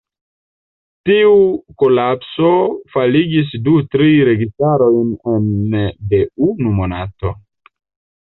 Tiu kolapso faligis du-tri registarojn ene de unu monato.